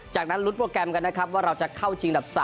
จากนั้นลุ้นโปรแกรมกันนะครับว่าเราจะเข้าชิงดับ๓